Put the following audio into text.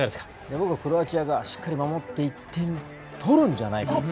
僕、クロアチアがしっかり守って１点取るんじゃないかと。